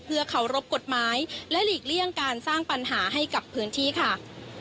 เพื่อเคารพกฎหมายและหลีกเลี่ยงการสร้างปัญหาให้กับพื้นที่ค่ะ